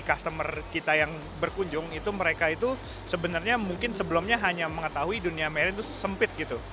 customer kita yang berkunjung itu mereka itu sebenarnya mungkin sebelumnya hanya mengetahui dunia marine itu sempit gitu